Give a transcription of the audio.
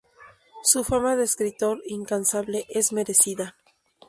Su fama de escritor incansable es merecida.